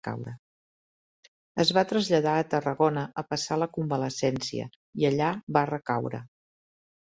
Es va traslladar a Tarragona a passar la convalescència, i allà va recaure.